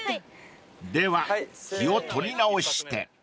［では気を取り直して］